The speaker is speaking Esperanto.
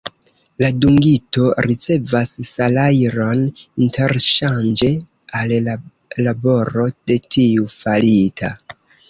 La dungito ricevas salajron interŝanĝe al la laboro de tiu farita.